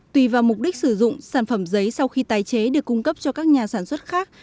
tùy vào mục đích sử dụng sản phẩm giấy sau khi tái chế được cung cấp cho các nhà sản xuất khác